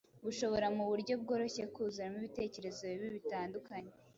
bushobora mu buryo bworoshye kuzuramo ibitekerezo bibi bitandukanye.